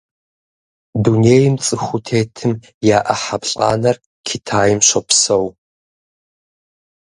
Дунейм цӀыхуу тетым я Ӏыхьэ плӀанэр Китайм щопсэу.